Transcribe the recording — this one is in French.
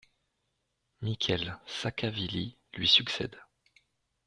Mikheil Saakachvili lui succède.